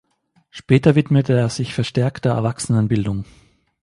Später widmete er sich verstärkt der Erwachsenenbildung.